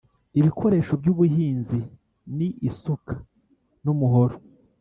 Ibikoresho byubuhinzi ni isuka numuhoro